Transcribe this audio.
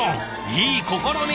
いい試み！